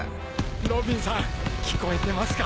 ロビンさん聞こえてますか？